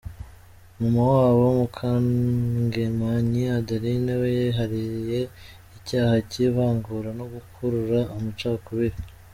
Mama wabo Mukangemanyi Adeline we yihariye icyaha cy’ivangura no gukurura amacakubiri.â€?